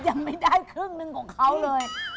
ฉันยังไม่ได้เครื่องหนึ่งของเค้าเลย